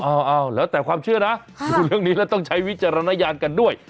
เอาแล้วแต่ความเชื่อนะดูเรื่องนี้แล้วต้องใช้วิจารณญาณกันด้วย